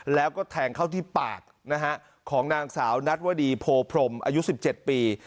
แล้วก็แทงเข้าที่ปากนะฮะของนางสาวนัทวดีโพพรมอายุ๑๗ปี